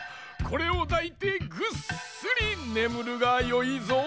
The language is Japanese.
これをだいてぐっすりねむるがよいぞ。